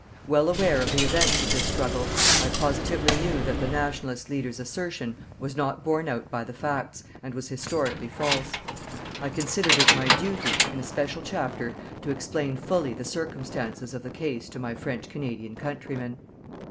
Well aware of the events of this struggle, I positively knew that the "Nationalist" leader's assertion was not borne out by the facts, and was historically false. I considered it my duty, in a special chapter, to explain fully the circumstances of the case to my French Canadian countrymen.